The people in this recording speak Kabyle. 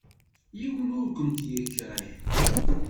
Yiwen ur kent-yekṛih.